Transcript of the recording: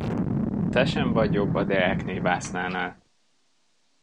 Te sem vagy jobb a Deákné vásznánál.